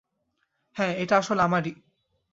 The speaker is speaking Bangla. হ্যাঁ, এটা আসলে আমারই।